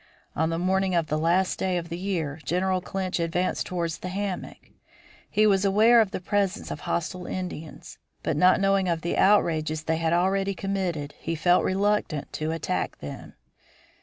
On the morning of the last day of the year, General Clinch advanced towards the hammock. He was aware of the presence of hostile Indians, but not knowing of the outrages they had already committed, he felt reluctant to attack them.